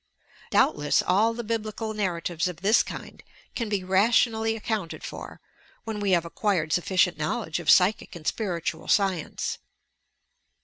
Doubtless all the Biblical narra tives of this kind can be rationally accounted for, when we have acquired sufficient knowledge of psychic and spiritual science.